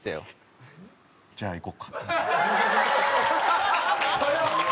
じゃあ行こうか。